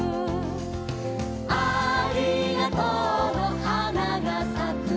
「ありがとうのはながさくよ」